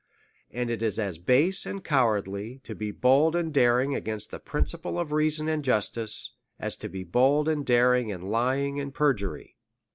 And it is as base and cowardly, to be bold and daring against the principle of reason and justice, as to be bold and daring in lying and perjury.